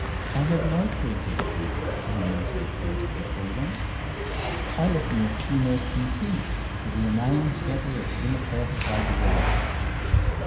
I have no prejudices in the matter of political freedom. I listen with humourous contempt to the inane chatter of Demo cratic Idealists.